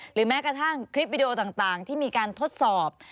แม้กระทั่งคลิปวิดีโอต่างที่มีการทดสอบ